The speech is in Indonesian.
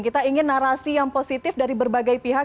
kita ingin narasi yang positif dari berbagai pihak